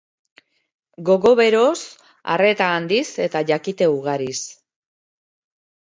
Gogo beroz, arreta handiz eta jakite ugariz.